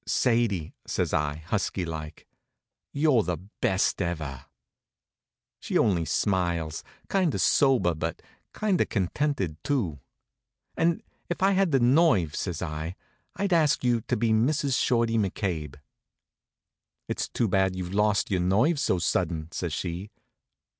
"Sadie," says I, husky like, "you're the best ever!" She only smiles, kind of sober, but kind of contented, too. "And if I had the nerve," says I, "I'd ask you to be Mrs. Shorty McCabe." "It's too bad you've lost your nerve so sudden," says she.